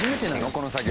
この作業。